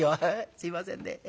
「すいませんね。